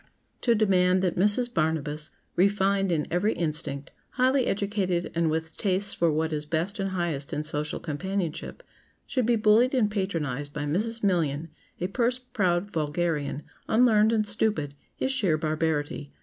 To demand that Mrs. Barnabas, refined in every instinct, highly educated and with tastes for what is best and highest in social companionship, should be bullied and patronized by Mrs. Million, a purse proud vulgarian, unlearned and stupid, is sheer barbarity.